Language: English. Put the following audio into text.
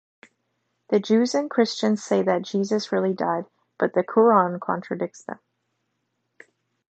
The Jews and Christians say that Jesus really died, but the Qu'ran contradicts them.